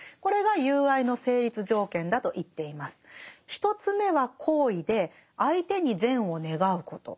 １つ目は好意で相手に善を願うこと。